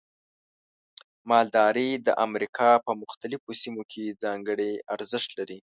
مالداري د امریکا په مختلفو سیمو کې ځانګړي ارزښت لري.